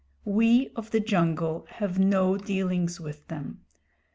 We of the jungle have no dealings with them.